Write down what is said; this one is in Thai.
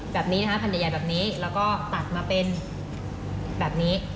แบบนี้นะคะแผ่นใหญ่แบบนี้แล้วก็ตัดมาเป็นแบบนี้